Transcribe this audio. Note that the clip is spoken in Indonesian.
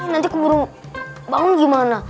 nanti keburu bangun gimana